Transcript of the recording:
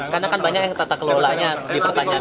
karena kan banyak yang tata kelolanya dipertanyakan